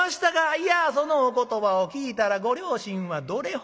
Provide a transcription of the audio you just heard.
いやそのお言葉を聞いたらご両親はどれほどお喜びか。